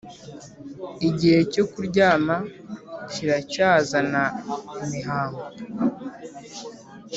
igihe cyo kuryama kiracyazana imihango.